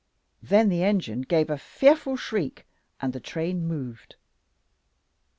Then the engine gave a fearful shriek, and the train moved.